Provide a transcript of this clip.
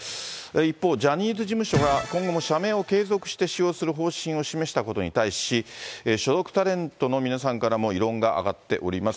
一方、ジャニーズ事務所が今後も社名を継続して使用する方針を示したことに対し、所属タレントの皆さんからも異論が上がっております。